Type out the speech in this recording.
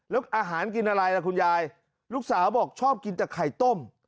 แล้วอาหารกินอะไรล่ะคุณยายลูกสาวบอกชอบกินแต่ไข่ต้ม